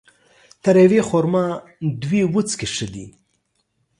تر يوې خرما ، دوې وڅکي ښه دي